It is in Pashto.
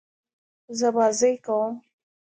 زه بازۍ کوم.